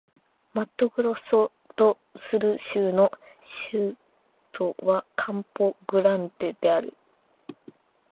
マットグロッソ・ド・スル州の州都はカンポ・グランデである